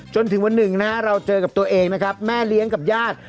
จนถึงวันหนึ่งนะฮะเราเจอกับตัวเองนะครับแม่เลี้ยงกับญาติ